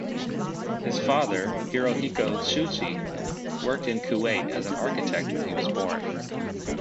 His father Hirohiko Tsuji worked in Kuwait as an architect when he was born.